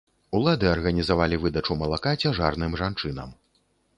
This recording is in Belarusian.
Улады арганізавалі выдачу малака цяжарным жанчынам.